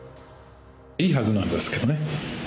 いいはずなんですけどね。